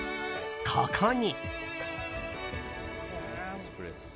ここに。